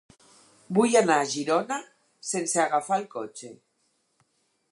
Vull anar a Girona sense agafar el cotxe.